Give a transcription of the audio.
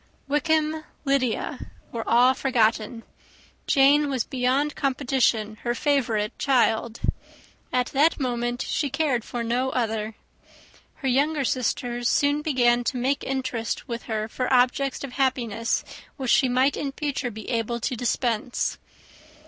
Wickham, Lydia, were all forgotten. Jane was beyond competition her favourite child. At that moment she cared for no other. Her younger sisters soon began to make interest with her for objects of happiness which she might in future be able to dispense.